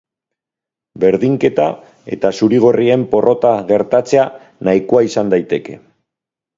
Berdinketa eta zurigorrien porrota gertatzea nahikoa izan daiteke.